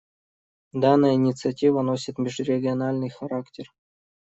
Данная инициатива носит межрегиональный характер.